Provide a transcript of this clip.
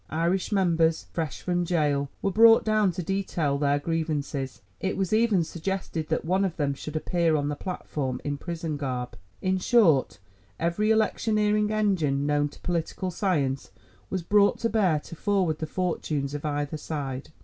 Irish members, fresh from gaol, were brought down to detail their grievances. It was even suggested that one of them should appear on the platform in prison garb—in short, every electioneering engine known to political science was brought to bear to forward the fortunes of either side.